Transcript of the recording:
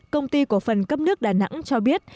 công ty cổ phần cấp nước đà nẵng cho biết